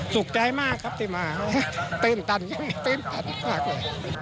สุขใจมากครับที่มาตื่นตันยังตื่นตันมากเลย